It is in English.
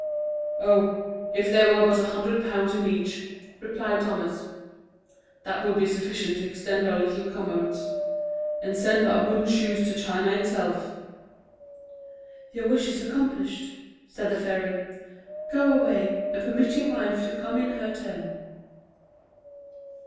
"Oh, if there were but a hundred pounds in each," replied Thomas, "that would be sufficient to extend our little commerce, and send our wooden shoes to China itself." "Your wish is accomplished," said the fairy; "go away, and permit your wife to come in her turn."